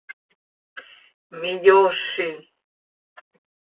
miyoozi.